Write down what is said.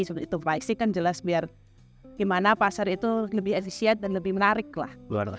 seperti itu lima g kan jelas biar gimana pasar itu lebih efisien dan lebih menarik lah